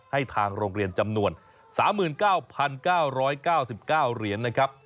ให้ทางโรงเรียนจำนวน๓๙๙๙๙เหรียญนะครับ